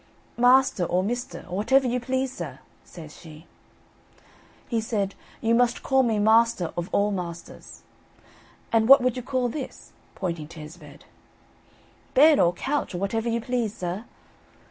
"Master or mister, or whatever you please sir," says she. He said: "You must call me 'master of all masters.' And what would you call this?" pointing to his bed. "Bed or couch, or whatever you please, sir."